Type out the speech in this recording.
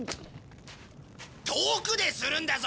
遠くでするんだぞ！